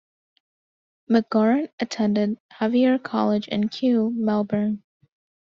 McGauran attended Xavier College in Kew, Melbourne.